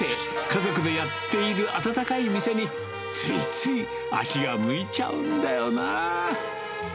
家族でやっている温かい店に、ついつい足が向いちゃうんだよなぁ。